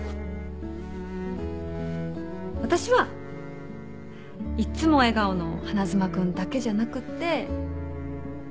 私はいつも笑顔の花妻君だけじゃなくって悔しがってる